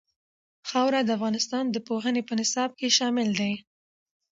خاوره د افغانستان د پوهنې په نصاب کې شامل دي.